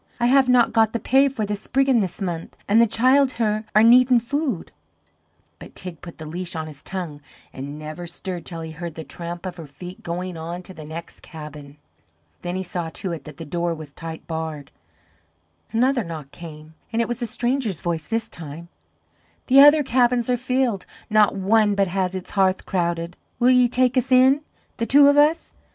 I have not got the pay for the spriggin' this month, an' the childher are needin' food." But Teig put the leash on his tongue, and never stirred till he heard the tramp of her feet going on to the next cabin. Then he saw to it that the door was tight barred. Another knock came, and it was a stranger's voice this time: "The other cabins are filled; not one but has its hearth crowded; will ye take us in the two of us?